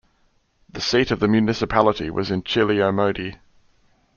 The seat of the municipality was in Chiliomodi.